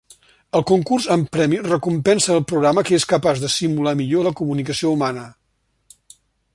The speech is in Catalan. El concurs amb premi recompensa el programa que és capaç de simular millor la comunicació humana.